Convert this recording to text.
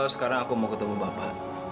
sekarang aku mau ketemu bapak